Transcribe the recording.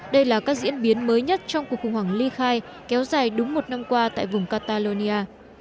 đây là các diễn biến mới nhất trong cuộc khủng hoảng ly khai kéo dài đúng một năm qua tại vùng catalonia